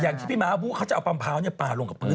อย่างที่พี่มะอาบุเขาจะเอามะพร้าวปลาลงกับพื้น